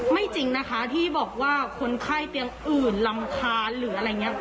จริงนะคะที่บอกว่าคนไข้เตียงอื่นรำคาญหรืออะไรอย่างนี้